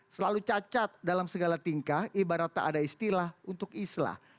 selalu cacat dalam segala tingkah ibarat tak ada istilah untuk islah